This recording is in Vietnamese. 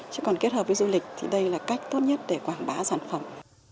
chứ còn kết hợp với du lịch thì đây là cách tốt nhất để quảng bá sản phẩm